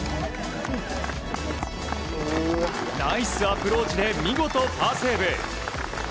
ナイスアプローチで見事パーセーブ。